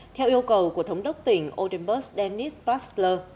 theo yêu cầu của thống đốc tỉnh odenburgs denis pashler